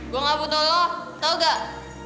gue gak butuh lo tau gak